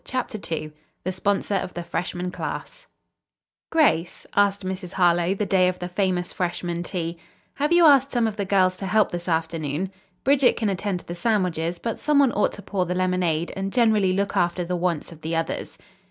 CHAPTER II THE SPONSOR OF THE FRESHMAN CLASS "Grace," asked Mrs. Harlowe, the day of the famous freshman tea, "have you asked some of the girls to help this afternoon? Bridget can attend to the sandwiches, but some one ought to pour the lemonade and generally look after the wants of the others."